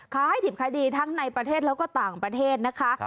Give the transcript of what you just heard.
ค้าให้ถิ่มค่าดีทั้งในประเทศแล้วก็ต่างประเทศนะคะ